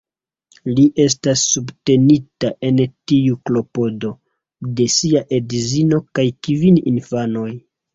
Li estas subtenita en tiu klopodo de sia edzino kaj kvin infanoj.